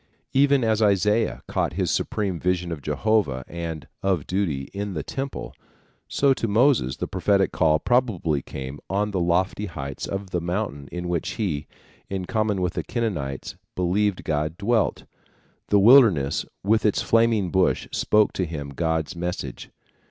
Even as Isaiah caught his supreme vision of Jehovah and of duty in the temple, so to Moses the prophetic call probably came on the lofty heights of the mountain in which he, in common with the Kenites, believed God dwelt. The wilderness with its flaming bush spoke to him God's message.